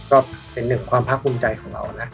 ก็เป็นหนึ่งความภาคภูมิใจของเรานะ